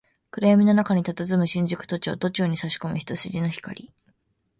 暗闇の中に佇む新宿都庁、都庁に差し込む一筋の光